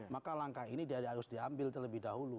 maka langkah ini harus diambil terlebih dahulu